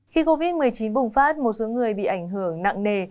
khi covid một mươi chín bùng phát một số người bị ảnh hưởng nặng nề